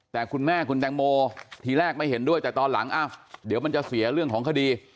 แต่คุณแม่คุณแตงโมทีแรกไม่เห็นด้วยแต่ตอนหลังเดี๋ยวมันจะเสียเรื่องของคดี